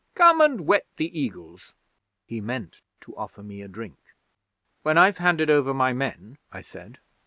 Come and wet the Eagles." He meant to offer me a drink. '"When I've handed over my men," I said.